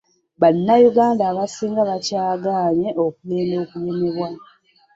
Bannayuganda abasinga bakyagaanye okugenda okugemebwa.